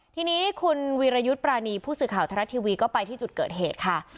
ทีนี้คุณวีรยุทธ์ปรานีผู้สื่อข่าวไทยรัฐทีวีก็ไปที่จุดเกิดเหตุค่ะ